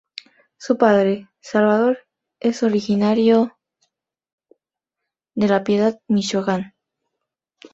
Su padre, Salvador, es originario de La Piedad, Michoacán.